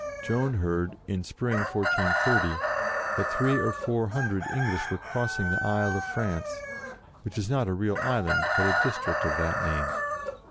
Joan heard, in spring 1430, that three or four hundred English were cross ing the Isle of France, which is not a real island, but a district of that name.